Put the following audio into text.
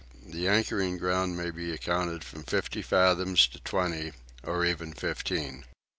The anchoring ground may be accounted from fifty fathoms to twenty, or even fifteen.